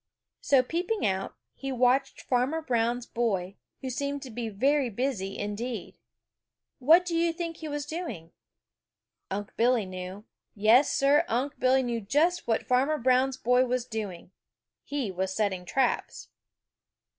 So peeping out, he watched Farmer Brown's boy, who seemed to be very busy indeed. What do you think he was doing? Unc' Billy knew. Yes, Sir, Unc' Billy knew just what Farmer Brown's boy was doing. He was setting traps.